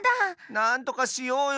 なんとかしようよ。